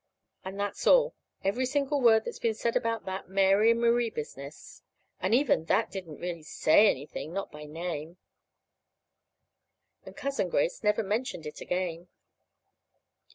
And that's all every single word that's been said about that Mary and Marie business. And even that didn't really say anything not by name. And Cousin Grace never mentioned it again.